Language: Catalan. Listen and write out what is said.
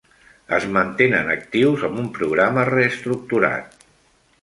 Es mantenen actius amb un programa reestructurat.